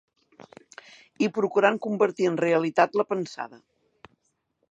I procurant convertir en realitat la pensada